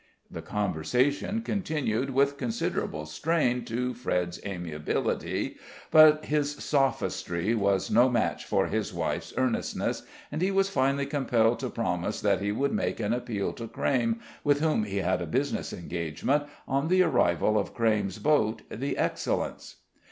The conversation continued with considerable strain to Fred's amiability; but his sophistry was no match for his wife's earnestness, and he was finally compelled to promise that he would make an appeal to Crayme, with whom he had a business engagement, on the arrival of Crayme's boat, the Excellence.